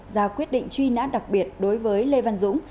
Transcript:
ra quyết định truy nã đặc biệt đối với lê văn dũng